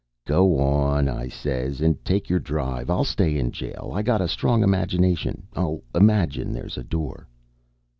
"'Go on,' I says, 'and take your drive. I'll stay in jail. I got a strong imagination. I'll imagine there's a door.'